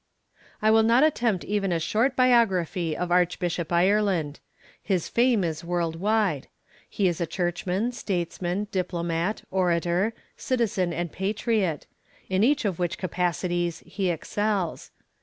I will not attempt even a short biography of Archbishop Ireland. His fame is world wide; he is a churchman, statesman, diplomat, orator, citizen and patriot, in each of which capacities he excels.